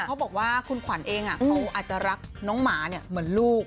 คุณผู้ชมค่ะคุณขวัญเองเขาอาจจะรักน้องหมาเหมือนลูก